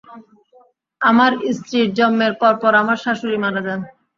আমার স্ত্রীর জন্মের পরপর আমার শাশুড়ি মারা যান।